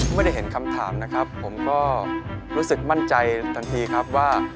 ไม่ได้เห็นคำถามนะครับผมก็รู้สึกมั่นใจทันทีครับว่า